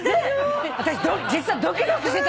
私実はドキドキしてた。